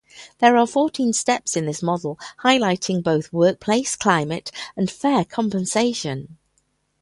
There are fourteen steps in this model, highlighting both workplace climate and fair compensation.